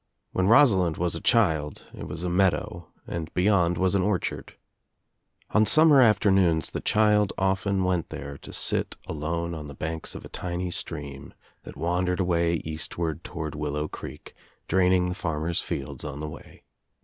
When Rosalind was a child It was a meadow and be yond was an orchard, On summer afternoons the child often went there to sit alone on the banks of a tiny stream that wandered away eastward toward Willow Creek, draining the farmer's fields on the way.